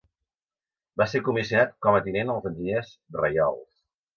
Va ser comissionat com tinent als Enginyers Reials.